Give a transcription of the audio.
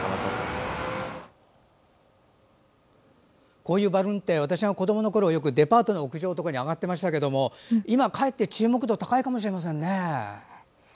こういうバルーンって私が子どものころよくデパートの屋上とかに上がってましたけど今かえって注目度が高いかもしれませんね。